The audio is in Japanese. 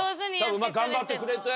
多分頑張ってくれて。